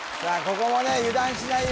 ここもね油断しないよ